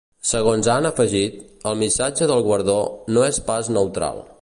Segons han afegit, el missatge del guardó ‘no és pas neutral’.